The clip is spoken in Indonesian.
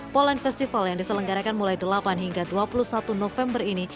poland festival yang diselenggarakan mulai delapan hingga dua puluh satu november ini